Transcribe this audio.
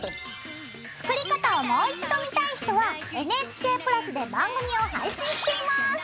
作り方をもう一度見たい人はＮＨＫプラスで番組を配信しています！